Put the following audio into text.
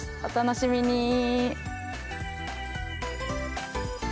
お楽しみに。